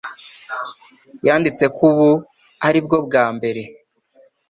yanditse ko ubu, ari bwo bwa mbere